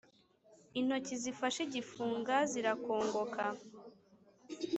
intoki zifashe igifunga zirakongoka,